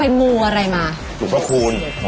พี่เจ้าไปมูอะไรมา